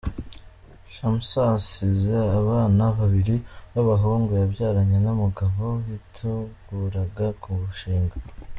Shamsa assize abana babiri b’abahungu yabyaranye n’umugabo biteguraga kurushinga.